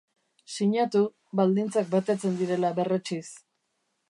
Sinatu, baldintzak betetzen direla berretsiz.